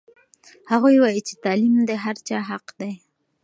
هغوی وایي چې تعلیم د هر چا حق دی.